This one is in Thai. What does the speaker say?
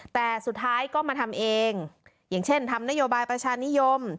แต่สุดท้ายก็มาทำเองอย่างเช่นทำนโยบายประชานิยม